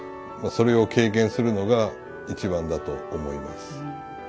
まあそれを経験するのが一番だと思います。